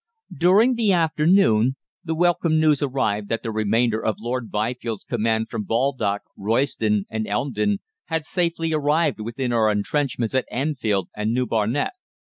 "During the afternoon the welcome news arrived that the remainder of Lord Byfield's command from Baldock, Royston, and Elmdon had safely arrived within our entrenchments at Enfield and New Barnet.